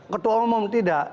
ketua umum tidak